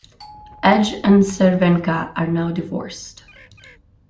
Edge and Cervenka are now divorced.